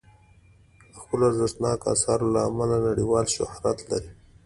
د خپلو ارزښتناکو اثارو له امله نړیوال شهرت لري.